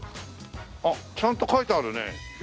あっちゃんと描いてあるね。